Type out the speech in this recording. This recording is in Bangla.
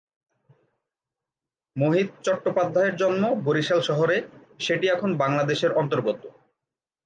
মোহিত চট্টোপাধ্যায়ের জন্ম বরিশাল শহরে, সেটি এখন বাংলাদেশের অন্তর্গত।